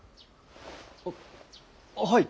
あっはい。